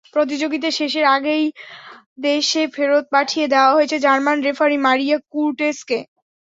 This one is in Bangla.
প্রতিযোগিতা শেষের আগেই দেশে ফেরত পাঠিয়ে দেওয়া হয়েছে জার্মান রেফারি মারিয়া কুর্টেসকে।